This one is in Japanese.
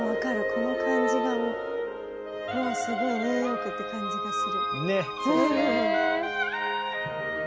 この感じがもうすごいニューヨークって感じがする。